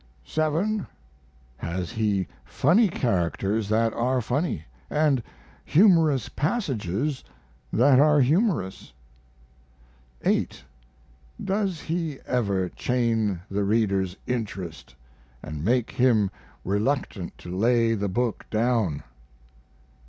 7. Has he funny characters that are funny, and humorous passages that are humorous? 8. Does he ever chain the reader's interest & make him reluctant to lay the book down?